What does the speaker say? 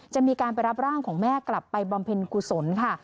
จะมีการไปรับร่างของแม่กลับไปบำเพ็ญกุศลค่ะ